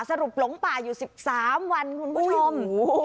หลงป่าอยู่๑๓วันคุณผู้ชม